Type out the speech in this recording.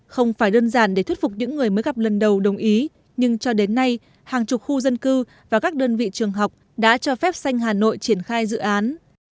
không phải đơn giản để thuyết phục những người mới gặp lần đầu đồng ý nhưng cho đến nay hàng chục khu dân cư và các đơn vị trường học đã cho phép xanh hà nội triển khai dự án